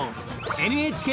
ＮＨＫ